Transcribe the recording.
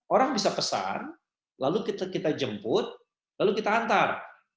orang bisa pesan lalu kita jemput lalu kita antar